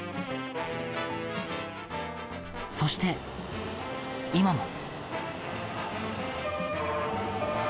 そして今も。